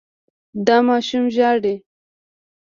دا ماشوم ژاړي.